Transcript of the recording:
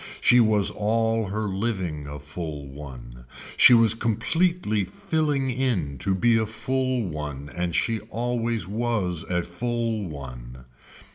She was all her living a full one. She was completely filling in to be a full one and she always was a full one.